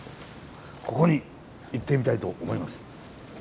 ここに行ってみたいと思います。